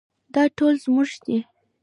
دا ټول زموږ دي